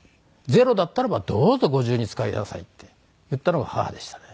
「ゼロだったらばどうぞご自由に使いなさい」って言ったのが母でしたね。